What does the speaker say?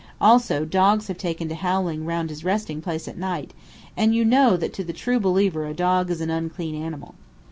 Also dogs have taken to howling round his resting place at night, and you know that to the true believer a dog is an unclean animal.